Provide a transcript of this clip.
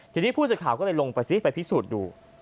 ทีนี้ผู้สื่อข่าวก็เลยลงไปซิไปพิสูจน์ดู